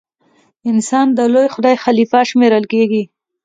انسان د لوی خدای خلیفه شمېرل کیږي.